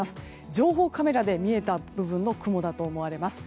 情報カメラで見えた部分の雲だと思われます。